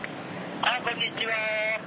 ああこんにちは。